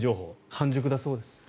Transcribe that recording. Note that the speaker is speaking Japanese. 半熟だそうです。